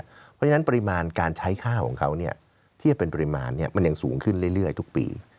เพราะฉะนั้นปริมาณการใช้ข้าวของเขาที่จะเป็นปริมาณมันยังสูงขึ้นเรื่อยทุกปี